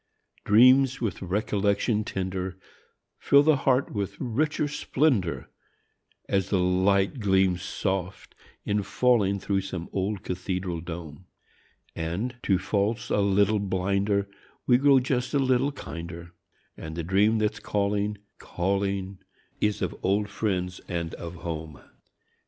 D REAMS \9ith recollection tender Fill the Heart Ntfith richer ' splendor, As the light gleams soft in jullinq Through some ola cathedral dome ; And, to faults a little blinder, ADe gt'oxtf just a little hinder, And the dream that's call inq, calling , old friends and o home.